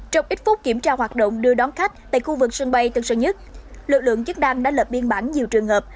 trong ít phút kiểm tra hoạt động đưa đón khách tại khu vực sân bay tân sơn nhất lực lượng chức năng đã lập biên bản nhiều trường hợp